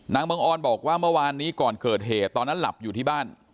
บังออนบอกว่าเมื่อวานนี้ก่อนเกิดเหตุตอนนั้นหลับอยู่ที่บ้าน